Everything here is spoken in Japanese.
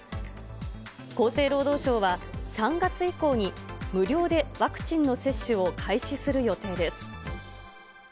厚生労働省は、３月以降に無料でワクチンの接種を開始する予定です。